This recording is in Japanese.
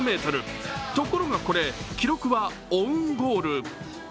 ところがこれ記録はオウンゴール。